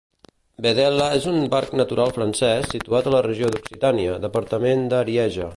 Vedelha és un parc natural francès, situat a la regió d'Occitània, departament de l'Arieja.